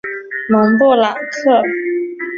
蒙布朗克。